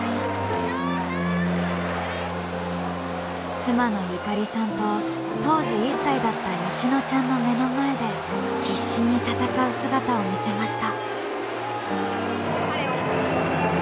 妻の友加里さんと当時１歳だった美乃ちゃんの目の前で必死に戦う姿を見せました。